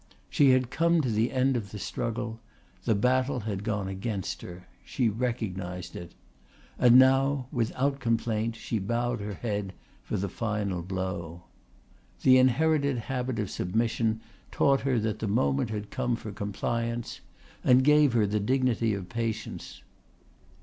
She had come to the end of the struggle; the battle had gone against her; she recognised it; and now, without complaint, she bowed her head for the final blow. The inherited habit of submission taught her that the moment had come for compliance and gave her the dignity of patience.